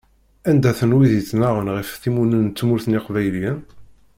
Anda-ten wid ittnaɣen ɣef timunent n tmurt n Iqbayliyen?